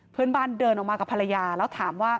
เพื่อนบ้านเดินออกมากับภรรยาแล้วถามว่า